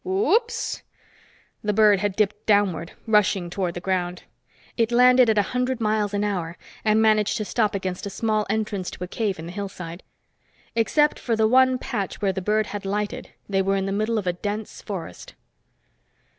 Woops!" The bird had dipped downward, rushing toward the ground. It landed at a hundred miles an hour and managed to stop against a small entrance to a cave in the hillside. Except for the one patch where the bird had lighted, they were in the middle of a dense forest.